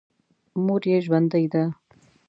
مور یې ژوندۍ ده.